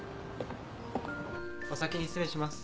お先に失礼します。